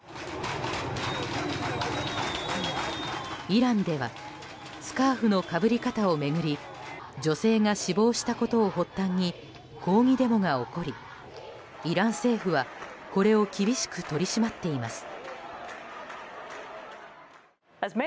イランではスカーフのかぶり方を巡り女性が死亡したことを発端に抗議デモが起こりイラン政府はこれを厳しく取り締まっています。